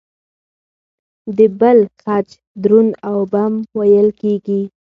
د بل خج دروند او بم وېل کېږي.